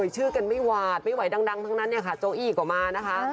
ชื่อกันไม่หวาดไม่ไหวดังทั้งนั้นเนี่ยค่ะโจอี้ก็มานะคะ